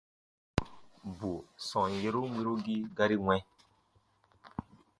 Bù sɔm yerun wirugii gari wɛ̃.